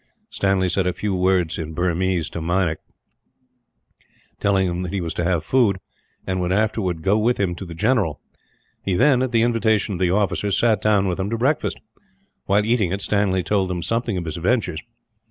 Stanley said a few words in Burmese to Meinik, telling him that he was to have food, and would afterwards go with him to the general; and he then, at the invitation of the officers, sat down with them to breakfast. While eating it, Stanley told them something of his adventures.